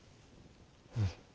うん。